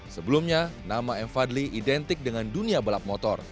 sebelumnya nama m fadli identik dengan dunia balap motor